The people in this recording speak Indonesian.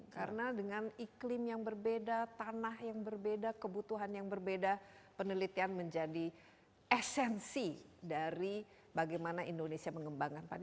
karena dengan iklim yang berbeda tanah yang berbeda kebutuhan yang berbeda penelitian menjadi esensi dari bagaimana indonesia mengembangkan padi